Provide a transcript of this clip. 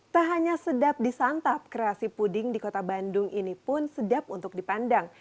tak hanya sedap disantap kreasi puding di kota bandung ini pun sedap untuk dipandang